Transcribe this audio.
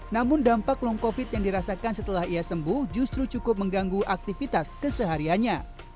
namun dampak long covid yang dirasakan setelah ia sembuh justru cukup mengganggu aktivitas kesehariannya